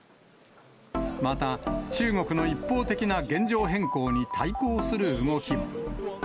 また中国の一方的な現状変更に対抗する動きも。